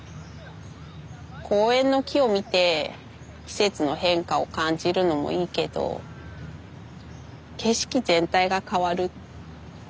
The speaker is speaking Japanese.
公園の木を見て季節の変化を感じるのもいいけど景色全体が変わる。